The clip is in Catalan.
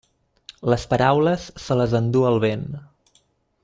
Les paraules, se les endú el vent.